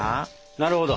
なるほど。